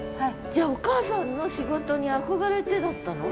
じゃあお母さんの仕事に憧れてだったの？